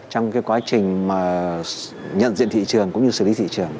trong cái quá trình mà nhận diện thị trường cũng như xử lý thị trường